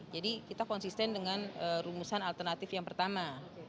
jadi kita konsisten dengan rumusan alternatif yang pertama